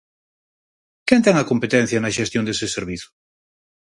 ¿Quen ten a competencia na xestión dese servizo?